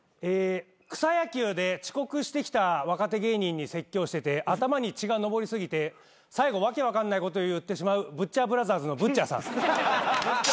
草野球で遅刻してきた若手芸人に説教してて頭に血が上り過ぎて最後訳分かんないこと言ってしまうブッチャーブラザーズのぶっちゃあさん。